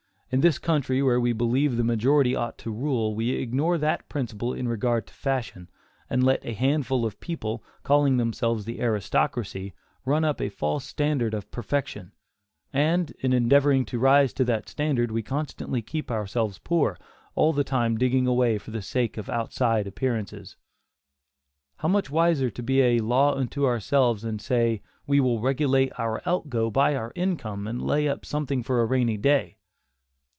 In this country, where we believe the majority ought to rule, we ignore that principle in regard to fashion, and let a handful of people, calling themselves the aristocracy, run up a false standard of perfection, and in endeavoring to rise to that standard, we constantly keep ourselves poor; all the time digging away for the sake of outside appearances. How much wiser to be a "law unto ourselves" and say, "we will regulate our out go by our income, and lay up something for a rainy day."